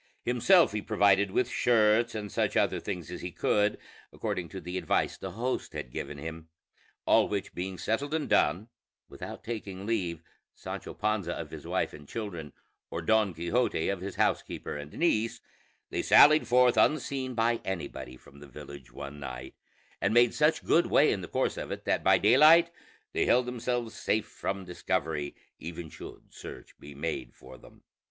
Himself he provided with shirts and such other things as he could, according to the advice the host had given him; all which being settled and done, without taking leave, Sancho Panza of his wife and children, or Don Quixote of his housekeeper and niece, they sallied forth unseen by anybody from the village one night, and made such good way in the course of it that by daylight they held themselves safe from discovery, even should search be made for them.